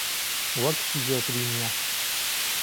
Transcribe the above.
وەک شیزۆفرینیا